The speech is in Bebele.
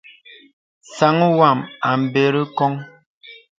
Sāŋ wam a bɛr ŋ̀koŋ.